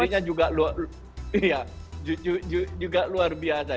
fighting spiritnya juga luar biasa